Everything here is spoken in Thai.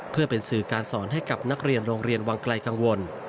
เพื่อเป็นสื่อการสอนให้กับนักเรียนโรงเรียนวังไกลกังวล